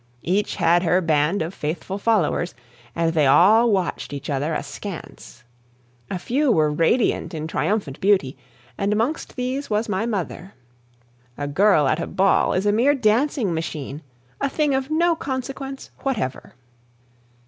Each had her band of faithful followers, and they all watched each other askance. A few were radiant in triumphant beauty, and amongst these was my mother. A girl at a ball is a mere dancing machine a thing of no consequence whatever.